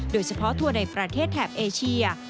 โดยเฉพาะทัวร์ในประเทศแถบเอเชีย